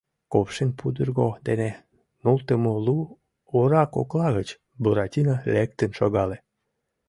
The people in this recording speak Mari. Кувшин пудырго дене нултымо лу ора кокла гыч Буратино лектын шогале.